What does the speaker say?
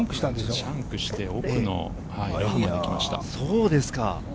シャンクして、奥のラフまで行きました。